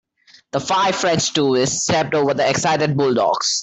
The five French tourists stepped over the excited bulldogs.